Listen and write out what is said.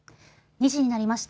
２時になりました。